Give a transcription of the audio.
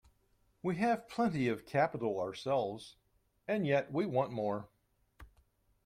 We have plenty of capital ourselves, and yet we want more.